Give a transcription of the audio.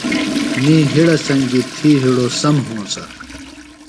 می ہِڑہ سنگیۡ تھی ہڑوۡ سم ہونسہ۔